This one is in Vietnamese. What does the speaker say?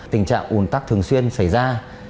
tình trạng ồn tắc thường xuyên xảy ra